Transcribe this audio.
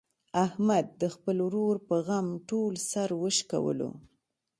احمد د خپل ورور په غم ټول سر و شکولو.